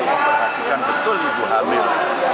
memperhatikan betul ibu hamil